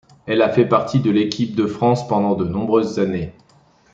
Elle a fait partie de l’équipe de France pendant de nombreuses années.